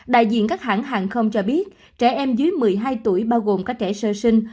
đại diện các hãng hàng không cho biết trẻ em dưới một mươi hai tuổi bao gồm các trẻ sơ sinh